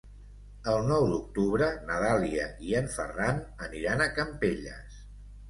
El nou d'octubre na Dàlia i en Ferran aniran a Campelles.